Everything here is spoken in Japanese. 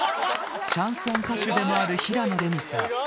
シャンソン歌手でもある平野レミさん。